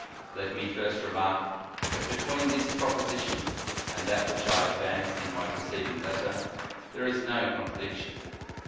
Let me first remark, that between this proposition and that which I advanced in my preceding letter, there is no contradiction.